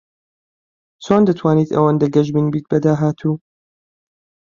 چۆن دەتوانیت ئەوەندە گەشبین بیت بە داهاتوو؟